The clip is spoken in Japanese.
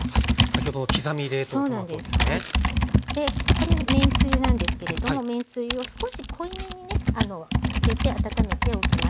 これはめんつゆなんですけれどもめんつゆを少し濃いめにね入れて温めておきます。